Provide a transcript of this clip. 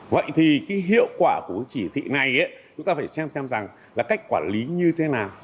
vậy thì cái hiệu quả của cái chỉ thị này chúng ta phải xem xem rằng là cách quản lý như thế nào